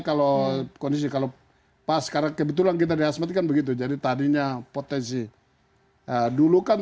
kalau kondisi kalau pas karena kebetulan kita dihasmatkan begitu jadi tadinya potensi dulu kan